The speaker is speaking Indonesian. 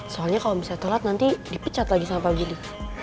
soalnya kalau misalnya telat nanti dipecat lagi sama pak giri